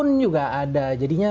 gaming pun juga ada jadinya